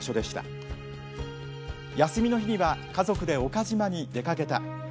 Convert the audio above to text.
休みの日には家族で岡島に出かけた。